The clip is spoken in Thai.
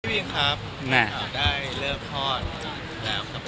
พี่วิงครับหรือเปล่าได้เลิกคลอดแล้วครับ